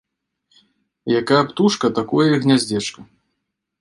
Якая птушка, такое і гняздзечка